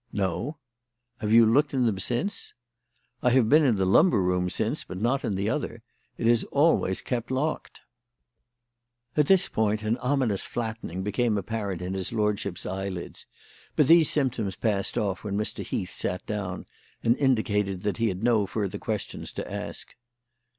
"No." "Have you looked in them since?" "I have been in the lumber room since, but not in the other. It is always kept locked." At this point an ominous flattening became apparent in his lordship's eyelids, but these symptoms passed off when Mr. Heath sat down and indicated that he had no further questions to ask.